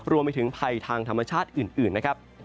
รวมไปถึงภัยทางธรรมชาติอื่น